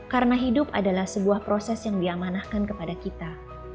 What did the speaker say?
karena hidup adalah sebuah proses yang diamanahkan kepada kita